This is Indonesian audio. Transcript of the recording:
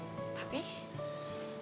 kamu udah istirahat